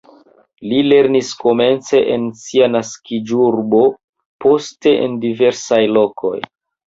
Li lernis komence en sia naskiĝurbo, poste en diversaj lokoj.